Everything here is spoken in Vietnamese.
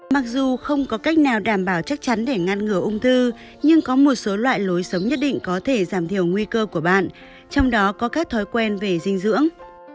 mặc dù không có cách nào đảm bảo chắc chắn để ngăn ngừa ung thư nhưng có một số loại lối sống nhất định có thể giảm thiểu nguy cơ của bạn trong đó có các thói quen về dinh dưỡng